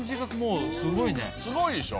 すごいでしょ？